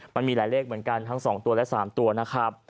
มันมีหลายเลขเหมือนกันทั้ง๒ตัวและ๓ตัวนะครับ